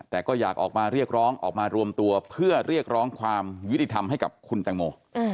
แต่ก็อยากออกมาเรียกร้องออกมารวมตัวเพื่อเรียกร้องความยุติธรรมให้กับคุณแตงโม